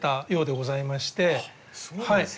そうなんですね。